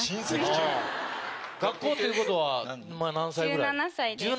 学校っていうことは今何歳ぐらい？